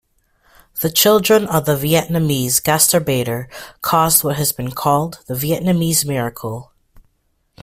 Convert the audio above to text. The children of the Vietnamese Gastarbeiter caused what has been called the "Vietnamese miracle".